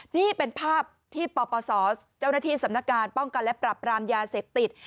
นี่เป็นภาพที่ปปศเจ้าหน้าที่สำนักการป้องกันและปรับรามยาเสพติด